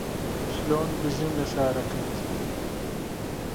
چلۆن بژیم لە شارەکەت